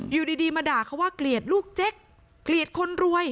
อยู่ดีมาด่าเขาว่าเกลียดลูกเจ๊กเกลียดคนรวย